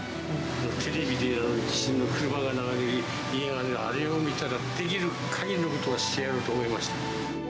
テレビで車が流れる、家が流れる、あれを見たらできるかぎりのことはしてやろうと思いました。